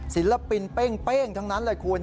ศิลปินเป้งทั้งนั้นเลยคุณ